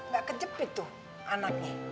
gak kejepit tuh anaknya